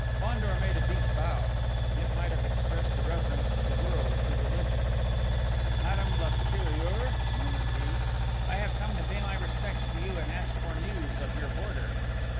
Fandor made a deep bow: it might have expressed the reverence of the world to religion. "Madame la Supérieure," murmured he, "I have come to pay my respects to you and to ask for news of your boarder."